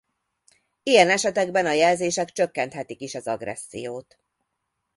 Ilyen esetekben a jelzések csökkenthetik is az agressziót.